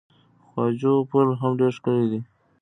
خواجو پل هم ډیر ښکلی دی.